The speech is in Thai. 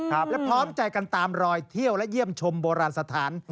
และพร้อมใจกันตามรอยเที่ยวและเยี่ยมชมโบราณสถาน